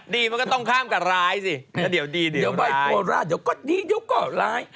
มันก็ต้องข้ามกับร้ายสิแล้วเดี๋ยวดีเดี๋ยวใบโคราชเดี๋ยวก็ดีเดี๋ยวก็ร้าย